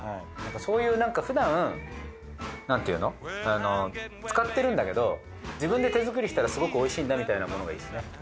そういうなんかふだんなんていうの使ってるんだけど自分で手作りしたらすごくおいしいんだみたいなものがいいですね。